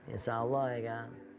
insya allah ya kan